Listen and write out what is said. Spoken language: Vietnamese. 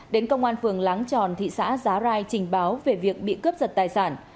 đến công an phường láng tròn thị xã giá rai trình báo về việc bị cướp giật tài sản